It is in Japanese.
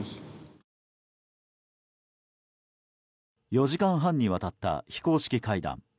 ４時間半にわたった非公式会談。